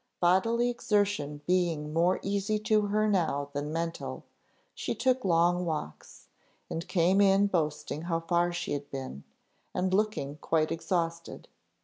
Bodily exertion being more easy to her now than mental, she took long walks, and came in boasting how far she had been, and looking quite exhausted.